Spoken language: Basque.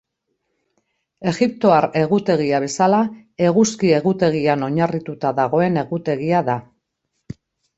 Egiptoar egutegia bezala Eguzki egutegian oinarrituta dagoen egutegia da.